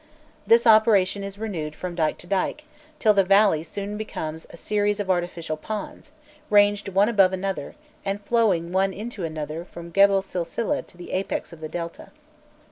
This operation is renewed from dyke to dyke, till the valley soon becomes a series of artificial ponds, ranged one above another, and flowing one into another from Grebel Silsileh to the apex of the Delta.